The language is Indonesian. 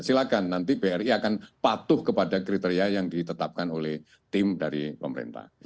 silahkan nanti bri akan patuh kepada kriteria yang ditetapkan oleh tim dari pemerintah